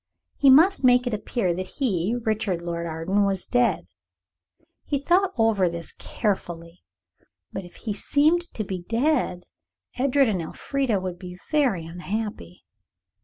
He must make it appear that he, Richard Lord Arden, was dead. He thought over this very carefully. But if he seemed to be dead, Edred and Elfrida would be very unhappy.